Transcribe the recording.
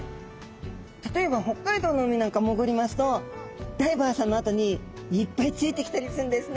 例えば北海道の海なんか潜りますとダイバーさんのあとにいっぱいついてきたりするんですね。